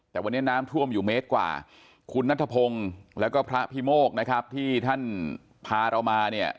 แต่วันนี้น้ำท่วมอยู่เมตรกว่าคุณนัทพงศ์แล้วก็พระพิโมกนะครับที่ท่านพาเรามาเนี่ย